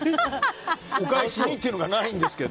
お返しにっていうのがないんですけど。